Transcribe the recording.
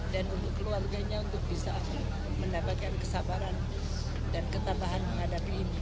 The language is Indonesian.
dan untuk keluarganya untuk bisa mendapatkan kesabaran dan ketabahan menghadapi ini